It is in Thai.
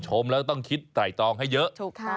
ชมแล้วต้องคิดไตรตองให้เยอะ